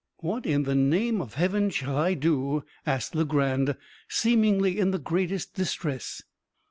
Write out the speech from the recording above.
"What in the name of heaven shall I do?" asked Legrand, seemingly in the greatest distress.